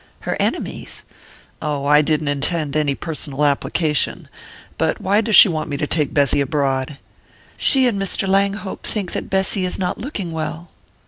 "Her enemies?" "Oh, I didn't intend any personal application. But why does she want me to take Bessy abroad?" "She and Mr. Langhope think that Bessy is not looking well."